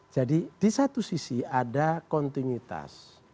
jadi di satu sisi ada kontinuitas